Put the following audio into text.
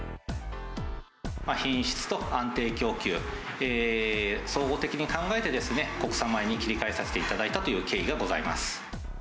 品質と安定供給、総合的に考えて、国産米に切り替えさせていただいたという経緯がございます。